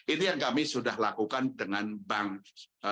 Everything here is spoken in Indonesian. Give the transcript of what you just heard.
ini yang kami sudah lakukan dengan bank